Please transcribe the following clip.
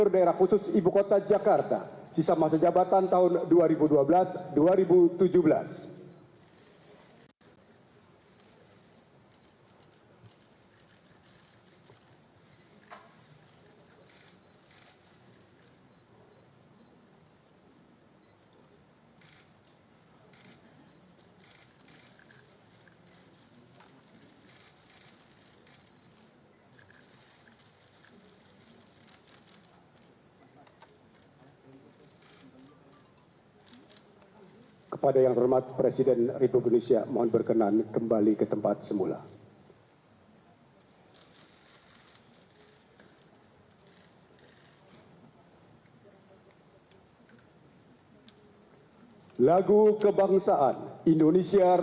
disilahkan menuju meja penanda tanganan